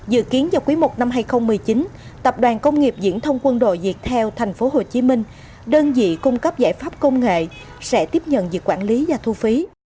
dự kiến trong quý i năm hai nghìn một mươi chín tập đoàn công nghiệp diễn thông quân đội việt theo tp hcm đơn vị cung cấp giải pháp công nghệ sẽ tiếp nhận việc quản lý và thu phí